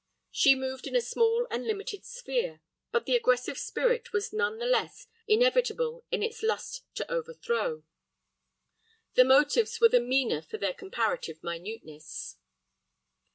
She moved in a small and limited sphere, but the aggressive spirit was none the less inevitable in its lust to overthrow. The motives were the meaner for their comparative minuteness.